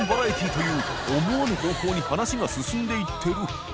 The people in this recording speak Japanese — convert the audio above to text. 箸い思わぬ方向に話が進んでいっている大島）